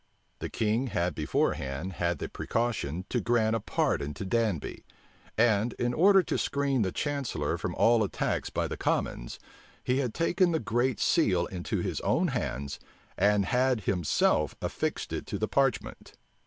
The king had beforehand had the precaution to grant a pardon to Danby; and, in order to screen the chancellor from all attacks by the commons, he had taken the great seal into his own hands, and had himself affixed it to the parchment.